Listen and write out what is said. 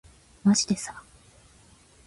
まじでさ